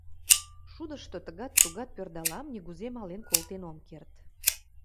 Шудышто тыгат-тугат пӧрдалам, нигузе мален колтен ом керт.